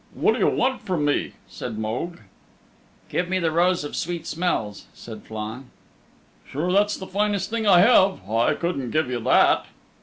"What do you want from me?" said Mogue. "Give me the Rose of Sweet Smells," said Flann. "Sure that's the finest thing I have. I couldn't give you that."